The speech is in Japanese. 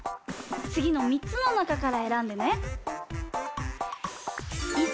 つぎの３つのなかからえらんでね。